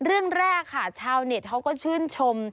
เรื่องแรกค่ะชาวเน็ตเขาก็ชื่นชม